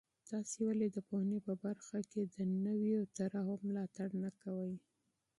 تاسې ولې د پوهنې په برخه کې د نویو طرحو ملاتړ نه کوئ؟